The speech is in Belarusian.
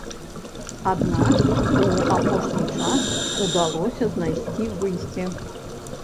Аднак у апошні час удалося знайсці выйсце.